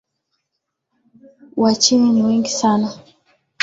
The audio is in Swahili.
Wachini ni wengi sana